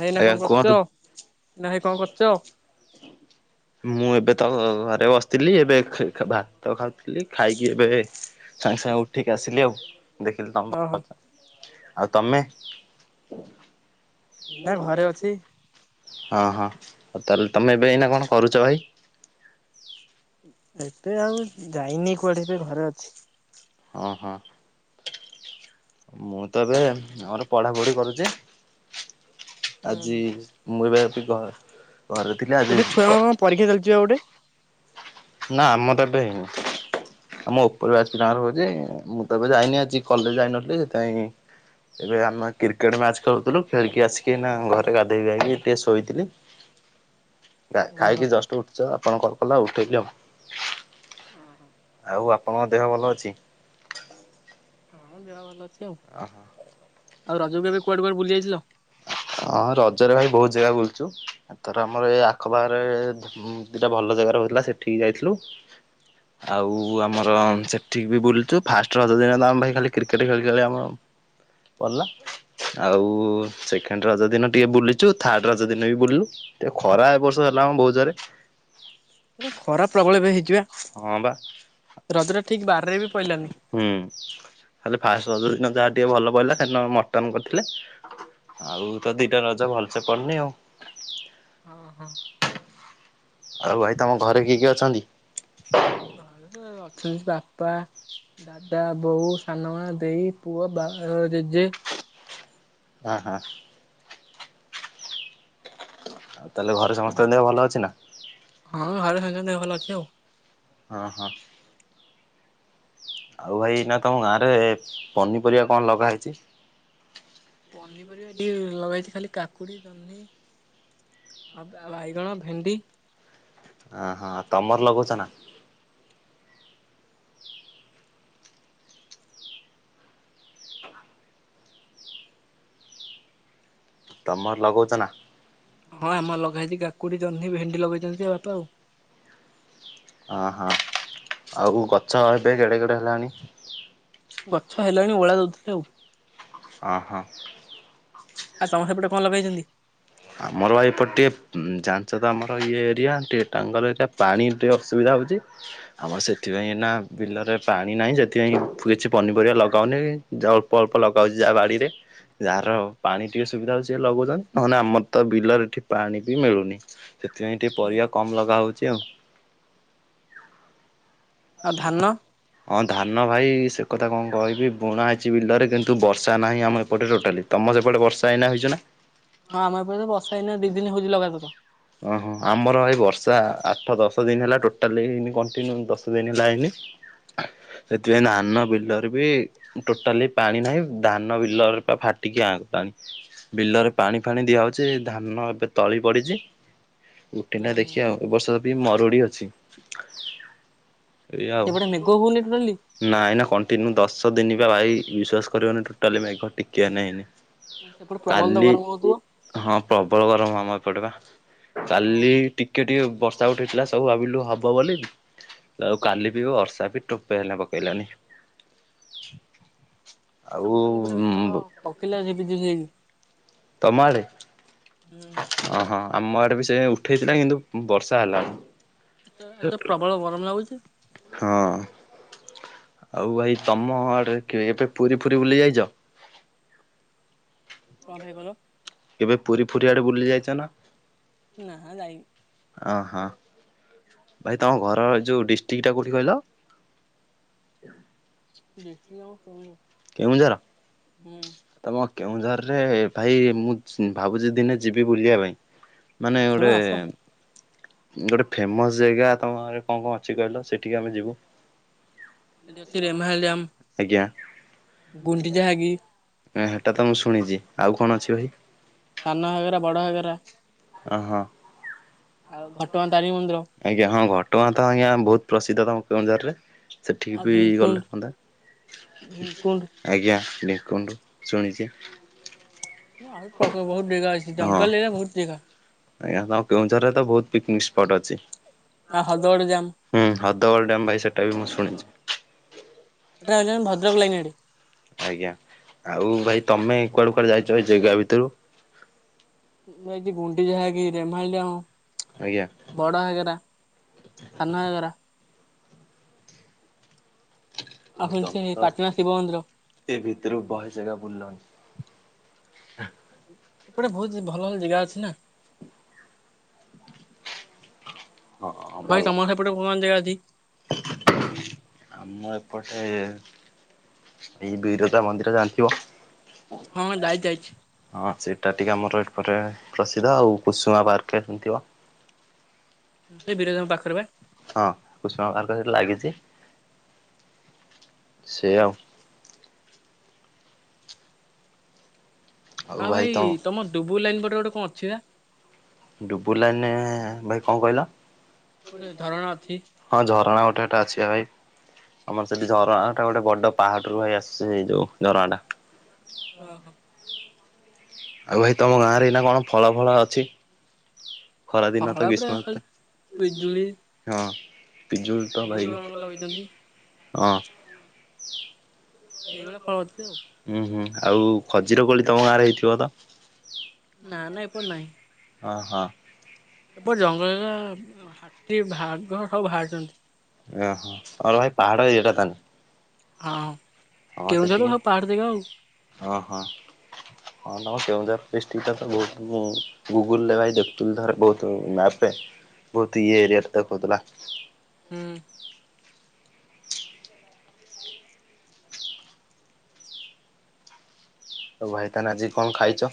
ଭାଇନା ଆଜ୍ଞା କଣ କରୁଛ କୁହନ୍ତୁ। ନା ଭାଇ କଣ କରୁଛ। ମୁଁ ଏବେ ତ ଘ ଘରେ ବସିଥିଲି। ଏବେ ଖ ଖ ଭାତ ଖାଉଥିଲି ଖାଇକି ଏବେ ସାଙ୍ଗେ ସାଙ୍ଗେ ଉଠିକି ଆସିଲି ଆଉ। ଦେଖିଲି ଓହୋ [unintelligible] ଆଉ ତମେ। ଏଇଲଗେ ଘରେ ଅଛି ହଁ ହଁ। ହଉ ତାହେଲେ ତମେ ଏବେ ଏଇନା କଣ କରୁଛ ଭାଇ। ଏବେ ଆଉ ଯାଇନି କୁଆଡେ ଏବେ ଘରେ ଅଛି। ଓ ହୋ। ମୁଁ ତ ଏବେ ଆମର ପଢାପଢି କରୁଛି। ହୁଁ ଆଜି ହୁଁ। ମୁଁ ଏବେ [unintelligible] ଘରେ ଥିଲି ଆଜି ଏବେ ଛୁଆଙ୍କ କ କଣ ପରୀକ୍ଷା ଚାଲିଛି ବା ଗୋଟେ? ନା ଆମ ତ ଏବେ ହେଇନି। ଆମ ଉପରେ ଆସିଛି ତାଙ୍କର ହଉଛି! ମୁଁ ତ ଏବେ ଯାଇନି ଆଜି କଲେଜ ଯାଇନଥିଲି ସେଥିପାଇଁ- ଏବେ ଆମେ କ୍ରିକେଟ ମ୍ୟାଚ ଖେଳୁଥିଲୁ। ଖେଳିକି ଆସିକି ଏଇନା ଘରେ ଗାଧେଇ ଖାଇକି ଟିକେ ଶୋଇଥିଲି। ହ [inaudible] ଗା ଖାଇକି ଜଷ୍ଟ ଉଠୁଛି ତ ଆପଣ କଣ କଲା ଉଠେଇଲି ଆଉ। ଆଉ ଆପଣଙ୍କ ଦେହ ଭଲ ଅଛି? ହଁ ଦେହ ଭଲ ଅଛି। ଆଉ। ଓ ହୋ। ଆଉ ରଜକୁ ଏବେ କୁଆଡେ କୁଆଡେ ବୁଲି [unintelligible] ଯାଇଥିଲ? ହଁ ରଜରେ ଭାଇ ବହୁତ ଜାଗା ବୁଲୁ ଚୁ ଏଥର ଆମର ଏ ଆଖପାଖରେ ଉଁ ଦିଟା ଭଲ ଜାଗାରେ ହଉଥିଲା ସେଠିକି ଯାଇଥିଲୁ। ଆଉ ଆମର ସେଠିକି ବି ବୁଲୁଛୁ। ଫାଷ୍ଟ ରଜ ଦିନ ତ ଆମେ ଭାଇ ଖାଲି କ୍ରିକେଟ ଖେଳୁ ଖେଳି ଆମ ପଡଲା। ଆଉ ସେକେଣ୍ଡ ରଜ ଦିନ ଟିକେ ବୁଲିଚୁ। ଥାର୍ଡ ରଜ ଦିନ ବି ବୁଲିଲୁ। ଟିକେ ଖରା ଏ ବର୍ଷ ହେଲା ଲା ବହୁତ୍ ଜୋରେ। ମାନେ ଖରା ପ୍ରବଳ ଏବେ ହେଇଚି ବା ହଁ ବା ରଜଟା ଠିକ ବାରରେ ବି ପଇଲାନି। ହୁଁ ଖାଲି ଫାଷ୍ଟ ରଜ ଦିନ ଯାହା ଟିକେ ଭଲ ପଇଲା। ସେଦିନ ମଟନ କରିଥିଲେ। ଆଉ ତ ଦିଟା ରଜ ଭଲସେ ପଡନି ଆଉ। ହଁ ହଁ ଆଉ ଭାଇ ତମ ଘରେ କିଏ କିଏ ଅଛନ୍ତି? ଛନ୍ତି ବାପା। ଦାଦା ବୋଉ ସାନମା ଦେଇ ପୁଅ ବା ଜେଜେ। ହାଁ ହାଁ। ଆଉ ତାହେଲେ ଘରେ ସମସ୍ତଙ୍କ ଦେହ ଭଲ ଅଛି ନା। ହଁ ଘରେ ସମସ୍ତଙ୍କ ଦେହ ଭଲ ଅଛି ଆଉ। ହଁ ହଁ। ଆଉ ଭାଇ ଏଇନା ତମ ଗାଁ ରେ ପନିପରିବା କଣ ଲଗା ହେଇଛି। ପନିପରିବା ଏଟି ଲଗାହେଇଛି ଖାଲି। କାକୁଡ଼ି ଜହ୍ନି ଆ ବାଇଗଣ ଭେଣ୍ଡି। ଅ ହୋ ତମର ଲଗଉଛ ନା? ତମର ଲଗଉଛ ନା? ହଁ ଆମର ଲଗାହେଇଛି କାକୁଡି, ଜହ୍ନି, ଭେଣ୍ଡି ଲଗେଇଛନ୍ତି ଯେ ବାପା ଆଉ। ଅ ହଁ, ଆଉ ଗଛ ଏବେ କେଡେ କେଡେ ହେଲାଣି? ଗଛ ହେଲାଣି ଓଳା ଦଉଥିଲେ ଆଉ। ଅ ହ। ଆଉ ତମ ସେପଟେ କଣ ଲଗେଇଛନ୍ତି? ଆମର ଭାଇ ଏପଟେ ଟିକେ, ଜାଣିଛ ତ ଆମର ଇଏ ଏରିଆ ଟିକେ ଟାଙ୍ଗଲ ଏରିଆ ପାଣି ଟିକେ ଅସୁବିଧା। ଅସୁବିଧା ହଉଛି ଆମର ସେଥିପାଇଁ ଏଇନା ବିଲରେ ପାଣି ନାହିଁ। ସେଥିପାଇଁ କିଛି ପନିପରିବା ଲଗାହଉନି ଏଇଆ। ଚି ଅଳ୍ପ ଅଳ୍ପ ଲଗାହଉଛି ଯାହା ବାଡି ରେ। ଯାହାର ପାଣି ଟିକେ ସୁବିଧା ହଉଛି ସିଏ ଲଗଉଛନ୍ତି। ନହଲେ ଆମର ତ ବିଲରେ ଏଠି ପାଣି ବି ମିଳୁନି। ସେଥିପାଇଁ ଟିକେ ପରିବା କମ ଲଗା ହଉଛି ଆଉ। ଆଉ ଧାନ? ହଁ ଧାନ ଭାଇ ସେ କଥା କଣ କହିବି। ବୁଣା ହେଇଛି ବିଲରେ କିନ୍ତୁ ବର୍ଷା ନାହିଁ, ଆମ ଏପଟେ ଟୋଟାଲି ତମ ସେପଟେ? ସେପଟେ ବର୍ଷା ଏଇନା ହେଇଛି ନା? ହଁ ଆମ ଏପଟେ ତ ବର୍ଷା ହେଇନା ଦି ଦିନ ହଉଛି ଲଗାତାର। ପ୍ରାୟ ଆଠ ଦଶ ଦିନ ହେଲା ଟୋଟାଲିନ କଣ୍ଟିନ୍ୟୁ ଦଶ ଦିନ ହେଲା ହେଇନି? ସେଥିପାଇଁ ଧାନ ବିଲରେ ବି ଟୋଟାଲି ପାଣି ନାହିଁ ଧାନ ବିଲରେ ଫାଟ କାଟିକି ଆ ପାଣି ବିଲରେ ପାଣି ଫାଣି ଦିଆହଉଛି ଧାନ ଏବେ ତଳି ପଡିଛି? ଗୋଟେ ନା ହୁଁ ହୁଁ। ଦେଖିବା ଆଉ ଏ ବର୍ଷ ତ ବି ମରୁଡି ଅଛି? ଏଇୟା ଆଉ ସେପଟେ ମେଘ ହଉନି ଟୋଟାଲି ନା ଏଇନା କଣ୍ଟିନ୍ୟୁ ଦଶ ଦିନ ବାଲା ବିଶ୍ଵାସ କରିବନି ଟୋଟାଲି ମେଘ ଟିକିଏ ନହିନି। ସେପଟେ ପ୍ରବଳ ତ ଗରମ ହଉଥିବ? ହଁ ପ୍ରବଳ ଗରମ ଆମ ଏପଟେ ବା କାଲି ଓହୋ। ଟିକେ ଟିକେ ବର୍ଷା ବର୍ଷା ଉଠି ଥିଲା ସବୁ ଭାବିଲୁ ହବ ବୋଲି ଆଉ କାଲି ବି ବର୍ଷା ବି ଟୋପ ହେଲେ ପକେଇଲାନି। ଆଉ ଆମ କାଲି ଏପଟେ ମେଘ ଉଁ ପକେଇଲା ଝିପିଝିପି ହେଇକି। ତମ ଆଡ଼େ ହୁଁ ଓ ହଁ? ଆମ ଆଡେ ବି ସେ ଉଠେଇଥିଲା କିନ୍ତୁ ବର୍ଷା ଆଜି ତ ଆଜି ହେଲାଣି। ତ ପ୍ରବଳ ଗରମ ଲାଗୁଛି ହଁ? ଆଉ ଭାଇ ତମ ଆଡରେ କିଏ ଏବେ ପୁରୀ ଫୁରୀ ବୁଲି ଯାଇଚ? କଣ ଭାଇ କଇଲ? କେବେ ପୁରୀ ଫୁରି ଆଡେ ବୁଲି ଯାଇଚ ନା? ନାଁ ଯାଇନୁ। ଅ ହଁ। ଭାଇ ତମ ଘରର ଯୋଉ ଡିଷ୍ଟ୍ରିକ୍ଟା କୋଉଠି କହିଲ? ଆା [unintelligible] ଡିଷ୍ଟ୍ରିକ୍ଟ ଆମର କେଉଁଝର୍। କେଉଁଝର? ତମ କେଉଁଝରରେ ଭାଇ ମୁଁ ଭାବୁଛି ଦିନେ ଯିବି ବୁଲିବା ପାଇଁ। ମାନେ ଆସୁନ ଗୋଟେ ଆସ। ଗୋଟେ ଫେମସ ଜେଗା ତମ ଗାଁରେ କଣ କଣ ଅଛି କହିଲ? ସେଠିକି ଆମେ ଯିବୁ। ସିଟି ଅଛି ରେମାହାଲି ଡ୍ୟାମ। ଆଜ୍ଞା। ଗୁଣ୍ଡିଚା ଘାଗି। ହୁଁ ସେଟା ତ ମୁଁ ଶୁଣିଚି। ଆଉ କଣ ଅଛି ଭାଇ? ସାନ ଘାଗରା, ବଡ ଘାଗରା। ଓହୋ। ଆଉ ଘଟଗାଁ ତାରିଣୀ ମନ୍ଦିର ଆଜ୍ଞା। ହଁ ଘଟଗାଁ ତ ଆଜ୍ଞା ବହୁତ ପ୍ରସିଦ୍ଧ ତମ କେଉଁଝରରେ? ସେଠିକି ଆଉ ବି ଭୀମକୁଣ୍ଡ ଗଲେ ହୁଅନ୍ତା? ଭୀମକୁଣ୍ଡ ଆଜ୍ଞା। ଭୀମକୁଣ୍ଡୁ ଶୁଣିଛି? ଆଖ ପାଖ ବହୁତ ଜେଗା ଅଛି ହଁ ଜଙ୍ଗଲ ଏରିଆ ବହୁତ ଜେଗା ଆଜ୍ଞା ତମ କେଉଁଝରରେ ତ ବହୁତ ପିକ୍ନିକ ସ୍ପଟ୍ ଅଛି। ଆଉ ହଦଗଡ ଡ୍ୟାମ୍ ହୁଁ ହଦଗଳ ଡ୍ୟାମ୍ ଭାଇ ସେଟା ବି ମୁଁ ଶୁଣିଛି? ନାଇଁ ଆଜ୍ଞା ଭଦ୍ରକ ଲାଇନ ଏଇଠି। ଆଜ୍ଞା। ଆଉ ଭାଇ ତମେ କୁଆଡେ କୁଆଡେ ଯାଇଚ ଭାଇ ଜେଗା ଭିତରୁ? ମୁଁ ଏଇଟି ଗୁଣ୍ଡିଚା ଘାଇ କିି ରେମାଳି ଆଜ୍ଞା ଡ୍ୟାମ୍ ବଡ଼ ଘାଗରା, ସାନ ଘାଗରା ଆଉ ପୁଣି ସେ ତମେ ତ ପାଟଣା ଶିବ ମନ୍ଦିର ଏ ଭିତରୁ ବହେ ଜାଗା ବୁଲିଲନି? ହ [unintelligible] ଏପଟେ ବହୁତ ଜେ ଭଲ ଭଲ ଜେଗା ଅଛି ନା? ହଁ ଆଉ ଭାଇ ଭଲ ତମ ସେପଟେ ଭଗବାନ ଜାଗା ଅଛି? ଆମ ଏପଟେ ଏ ଏଇ ବିରଜା ମନ୍ଦିର ଜାଣିଥିବ ହଁ ଯାଇ ଯାଇଛି? ଏଇଟା ଟିକେ ଆମର ଏକରେ ପ୍ରସିଦ୍ଧ। ଆଉ କୁସୁମା ପାର୍କ ଜାଣିଥିବ ସେଇ ବିରଜାଙ୍କ ପାଖରେ ବା। ହଁ କୁସୁମା ପାର୍କ ସେଇଟି ଲାଗିଛି। ସେୟା ଆଉ। ଆଉ ଭାଇ ତମ ଡୁବୁରୀ ଲାଇନ ପଟେ ଗୋଟେ କଣ ଅଛି ବା? ଡୁବୁରୀ ଲାଇନ ଭାଇ କଣ କହିଲ? ଗୋଟେ ଝରଣା ଅଛି। ହଁ ଝରଣା ଗୋଟେ ଏଟା ଅଛି ବା ଭାଇ। ଆମର ସେଠି ଝରଣା ଟା ଗୋଟେ ବଡ ପାହାଡରୁୁ ଭାଇ ଆସୁଛି ସେଇ ଯୋଉ ଝରଣା ଟା। ଓହୋ। ଆଉ ଭାଇ ତମ ଗାଁରେ ଏଇ ନା କଣ ଫଳ ଫଳ ଅଛି? ଖରାଦିନ ଫଳ ତ ପୁରା ଖାଲି ଗ୍ରୀଷ୍ମଋତୁ, ପିଜୁଳି ହଁ। ପିଜୁଳି ତ ସେଉ ଭାଇ ଜଣକ ଲଗେଇଛନ୍ତି ହଁ। ଏଇଭଳିଆ ଫଳ ଅଛି ଆଉ। ହୁଁ ହୁଁ ଆଉ ଖଜିର କୋଳି ତମ ଗାଁ ରେ ହେଇଥିବ ତ? ନା ନା ଏପଟେ ନାହିଁ। ହଁ ହଁ। ଏପଟ ଜଙ୍ଗଲରେ ହାତୀ, ବାଘ ସବୁ ଭାଆରିଚନ୍ତି। ଓହୋ ଆଉ ଭାଇ ପାହାଡ ଏରିଆଟା ତାହେଲେ? ହଁ ହଁ କେଉଝର ରେ ସେଠିକି ସବୁ ପାହାଡ଼ ଦେଖିବ ଆଉ ହଁ ହଁ। ହଁ ତମ କେଉଁଝର ଡିଷ୍ଟିକ ଟା ତ ବୋହୁତ ହ ଗୁଗଲ ରେ ଭାଇ ଦେଖୁଥିଲ ଥରେ ବହୁତ ମାପରେ ବହୁତ ଇଏ ଏରିଆ ଟା ଦେଖଉଥିଲା। ହୁଁ। ତ ଭାଇ ତାହାହେଲେ ଆଜି କଣ ଖାଇଚ?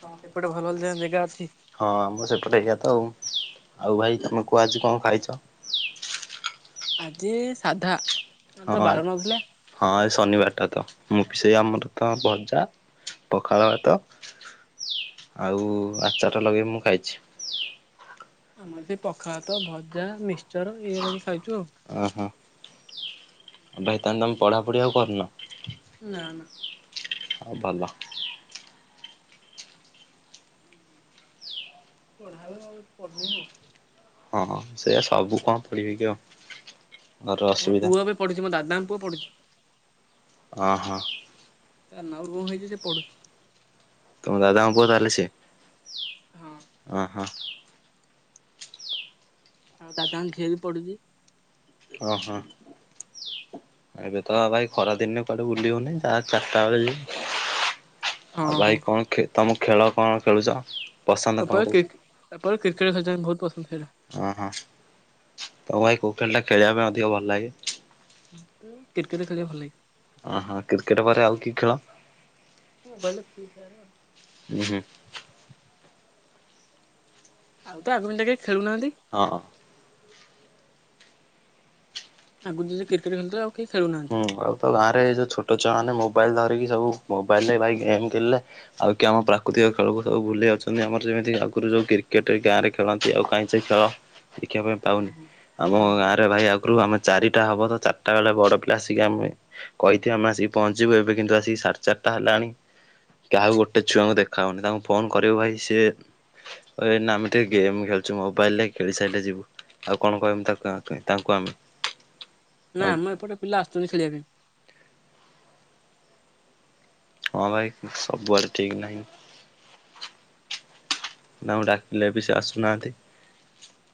ତମର ସେପଟେ ଭଲ ଭଲ ଜ ଜାଗା ଅଛି? ହଁ ଆମ ସେପଟେ ଏରିଆ ତ ଆଉ ଆଉ ଭାଇ ତମେ କୁହ ଆଜି କଣ ଖାଇଚ? ଆଜି ସାଧା। ଆଜି ହଁ ତ ବାର ଆଜ ନଥିଲା ହଁ ଆ ଶନିବାରଟା ତ ମୁଁ ବି ସେଇ ଆମର ତ ଭଜା ପଖାଳଭାତ ଆଉ ଆଚାରଟା ଲଗେଇବି ମୁଁ ଖାଇଚି। ଆମର ସେ ପଖାଳ ଭାତ ଭଜା ମିକ୍ସଚର ଏଇଆ ଲଗେଇ ଖାଇଛୁ ଆଉ। ହଁ ହଁ। [inaudible] ଆ ଭାଇ ତାହାଲେ ତମେ ପଢା ପଢି ଆଉ କରୁନ? ନା ନା। ହଁ ଭଲ। ପଢା ଏବେ ଆଉ ପଢୁନି ଆଉ ହଁ ହଁ ସେଆ ସବୁ କଣ ପଢ଼ିବେ କି ଆଉ। ଘର ଆମ ଅସୁବିଧା ପୁଅ ଏବେ ପଢୁଛି ମୋ ଦାଦାଙ୍କ ପୁଅ ପଢୁଛି। ହଁ ହଁ। ତା ନାଉରୁ କଣ ହେଇଛି ସେ ପଢୁଛି ତମ ଦାଦା ଙ୍କ ପୁଅ ତାହେଲେ ସିଏ? ହଁ ଓହୋ। ଆମ ଦାଦାଙ୍କ ଝିଅ ବି ପଢୁଚି। ଓହୋ। ଏବେ ତ ଭାଇ ଖରା ଦିନେ କୁଆଡେ ବୁଲିହଉନି ଯାହା ଚାରିଟା ବେଳେ ଯିବି। ହଁ ଆଉ ହଁ। ଭାଇ କଣ ଖେ ତମ ଖେଳ କଣ ଖେଳୁଚ? ପସନ୍ଦ କଣ? ତାପରେ ମୋର କ୍ରିକେଟ ଖେଳୁଛନ୍ତି କ୍ରିକେଟରେ। ବହୁତ ପସନ୍ଦ ସେଇଟା ଓ ହଁ। ତମ ଭାଇ କଉଁ ଖେଳଟା ଖେଳିବା ପାଇଁ ଅଧିକ ଭଲ ଲାଗେ? କ୍ରିକେଟ କ୍ରିକେଟ୍ ଖେଳିବା ଖେଳିବାକୁ ଭଲ ଲାଗେ। ପାଇଁ। ଅ ହ କ୍ରିକେଟ ପରେ ଆଉ କି ଖେଳ? ମୋବାଇଲରେ ଫ୍ରି ଫାୟାର ହୁ ହୁଁ। ଆଉ ତ ଆଗ ପିଲା କେହି ଖେଳୁନାହାନ୍ତି ହଁ। ଆଗରୁ ଯଦି କ୍ରିକେଟ ଖେଳୁଥିଲେ ଆଉ କେହି ଖେଳୁନାହାନ୍ତି। ହୁଁ ଆଉ ତ ଗାଁ ରେ ଯୋଉ ଛୋଟ ଛୁଆ ମାନେ ମୋବାଇଲ ଧରିକି ସବୁ ମୋବାଇଲରେ ଭାଇ ଗେମ୍ ଖେଳିଲେ ଆଉ କି ଆମ ପ୍ରାକୃତିକ ଖେଳକୁ ସବୁ ଭୁଲି ଯାଉଛନ୍ତି ଆମର ଯେମିତି ଆଗରୁ ଯୋଉ କ୍ରିକେଟ ଗାଁ ରେ ଖେଳନ୍ତି ଆଉ କାହିଁ ସେ ଖେଳ ଦେଖିବା ପାଇଁ ପାଉନି। ଆମ ଗାଁ ରେ ଭାଇ ଆଗରୁ ଆମେ ଚାରିଟା ହବ ତ ଚାରିଟା ବେଳେ ବଡ ପିଲା ଆସିକି ଆମେ କହିିଥିବେ ଆମେ ଆସିକି ପାହଞ୍ଚିବୁ ଏବେ କିନ୍ତୁ ଆସିକି ସାଢେ ଚାରିଟା ଚା ତାହେଲେ ଆଣି କାହାକୁ ଗୋଟେ ଛୁଆଙ୍କୁ ଦେଖାହଉନି ତାଙ୍କୁ ଫୋନ କରିବୁ ଭାଇ ସେ ଇବେ ନା ଆମେ ଟିକେ ଗେମ୍ ଖେଳୁଚୁ ମୋବାଇଲରେ ଖେଳି ସାରିଲେ ଯିବୁ। ଆଉ କଣ କହିବୁ ତାକୁ ତାଙ୍କୁ ଆମେ? ନା ଆଉ ମ ଏପଟେ ପିଲା ଆସୁଚନ୍ତି ଖେଳିବା ପାଇଁ। ହଁ ଭାଇ ସବୁଆଡେ ଠିକ ନାହିଁ। ନା ମୁଁ ଡାକିଲେ ବି ସେ ଆସୁନାହାନ୍ତି।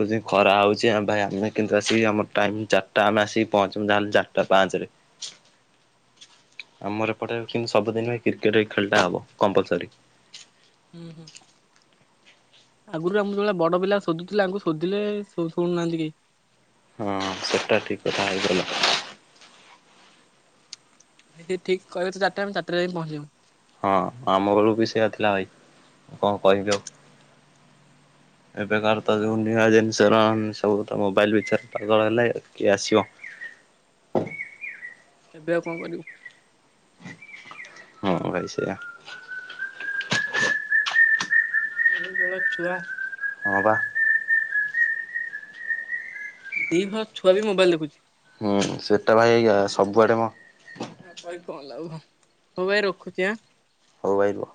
କ ଖରା ହଉଚି ଭାଇ ଆମେ କିନ୍ତୁ ଆସି ଆମ ଟାଇମ୍ ଚାରିଟା ଆମେ ଆସିକି ପହଞ୍ଚ ଯାହେଲେ ଚାରିଟା ପାଞ୍ଚରେ। [inaudible] ଆମର ପଡେ କିନ୍ତୁ ସବୁଦିନ କ୍ରିକେଟ ଖେଳଟା ହବ କମ୍ପଲସରି। [inaudible] ଆଗରୁ ଆମ ଯେୋବେଳେ ବଡ ପିଲା ଶୋଧୁଥିଲେ ଆଙ୍କୁ ଶୋଧିଲେ ଶୁଣୁନାହାନ୍ତି କେହି। ହଁ ସେଟା ଠିକ କଥା ହେଇଗଲା। ସେ ଠିକ କହିବ ତ ଚାରିଟା ଆମେ ଚାରଟା ଯାଇ ପହଞ୍ଚିବୁ। ହଁ ଆମ ବଳୁ ବି ସେଇୟଆ ଥିଲା ଭାଇ କଣ କହିବି ଆଉ? ହ ଏବେକାର ତ ଯୋଉ ନୂଆ ଜିନିଷର ସବୁ ତ ମୋବାଇଲ ପିଚେ ରେ ପାଗଳ ହେଲେ କିଏ ଆସିବ। ଏବେ ଆଉ କଣ କରିବୁ? ହଁ ଭାଇ ସେଆ। ଏଇ ଯଉ ଭେଲିଆ ଛୁଆ ହଁ ବା। ଦି ଭାଗ ଛୁଆ ବି ମୋବାଇଲ ଦେଖୁଛି। [unintelligible] ହୁଁ ସେଟା ଭାଇା ସବୁଆଡେ ମ ଆଉ କହିକି କଣ ଲାଭ ହଉ ଭାଇ ରଖୁଛି ଆଁ। ହଉ ଭାଇ ରୁହ।